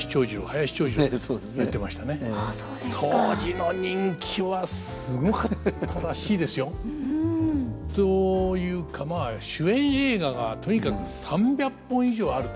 当時の人気はすごかったらしいですよ。というかまあ主演映画がとにかく３００本以上あると。